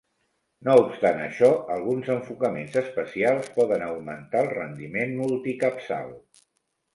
No obstant això, alguns enfocaments especials poden augmentar el rendiment multicapçal.